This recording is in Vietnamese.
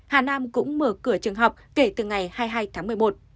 hà nam cũng mở cửa trường học kể từ ngày hai mươi hai tháng một mươi một